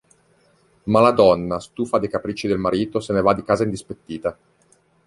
Ma la donna, stufa dei capricci del marito, se ne va di casa indispettita.